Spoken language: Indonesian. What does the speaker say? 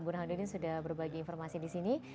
bu nandudin sudah berbagi informasi di sini